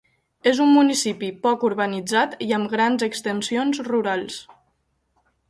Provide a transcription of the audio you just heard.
És un municipi poc urbanitzat i amb grans extensions rurals.